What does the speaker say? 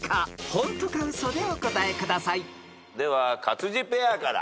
［ホントかウソでお答えください］では勝地ペアから。